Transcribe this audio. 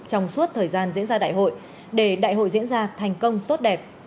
trong suốt thời gian diễn ra đại hội để đại hội diễn ra thành công tốt đẹp